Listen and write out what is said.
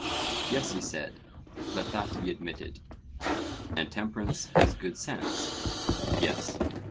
Yes, he said; let that be admitted. And temperance is good sense? Yes.